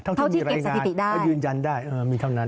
เท่าที่มีรายงานมีเท่านั้นแล้วยืนยันได้